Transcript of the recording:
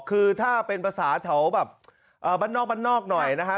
คือถ้าเป็นภาษาแถวแบบบ้านนอกบ้านนอกหน่อยนะฮะ